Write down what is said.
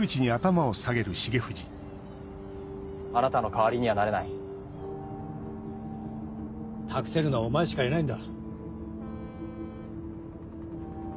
あなたの代わりにはなれない託せるのはお前しかいないんだ